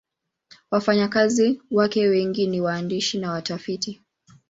Wafanyakazi wake wengi ni waandishi na watafiti.